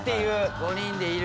５人でいる。